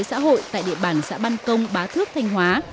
xã hội và phát triển kinh tế